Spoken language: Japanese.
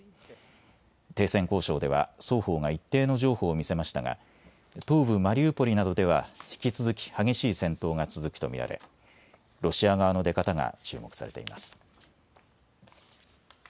停戦交渉では双方が一定の譲歩を見せましたが東部マリウポリなどでは引き続き激しい戦闘が続くと見られロシア側の出方が注目されています。